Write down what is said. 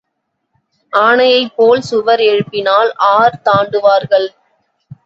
ஆனையைப் போல் சுவர் எழுப்பினால் ஆர் தாண்டுவார்கள்?